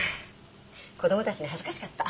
子供たちに恥ずかしかった。